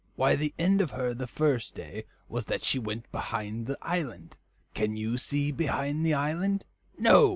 "Why, the end of her the first day was that she went behind the island. Can you see behind the island? No."